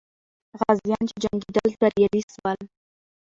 غازیان چې جنګېدل، بریالي سول.